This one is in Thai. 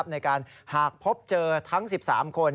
ในการหากพบเจอทั้ง๑๓คน